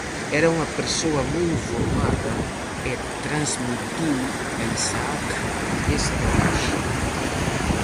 Era unha persoa moi informada e transmitiu a Isaac esa bagaxe.